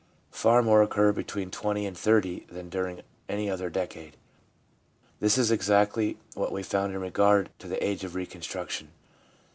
Far more occur between 20 and 30 than during any other decade. This is exactly what we found in regard to the age of reconstruction.